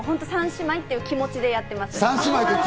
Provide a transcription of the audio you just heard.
３姉妹っていう気持ちでやってます。